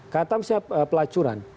kata misalnya pelacuran